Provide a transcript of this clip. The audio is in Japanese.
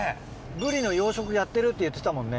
ブリの養殖やってるって言ってたもんね。